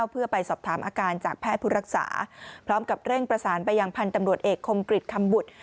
เพื่อไปสอบถามอาการจากแพทย์ผู้รักษาพร้อมกับเร่งประสานไปยังพันธุ์ตำรวจเอกคมกริจคำบุตร